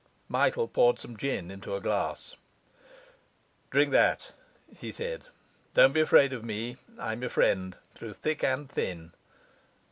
Michael poured some gin into a glass. 'Drink that,' he said. 'Don't be afraid of me. I'm your friend through thick and thin.